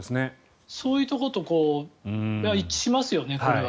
そういうところと一致しますよね。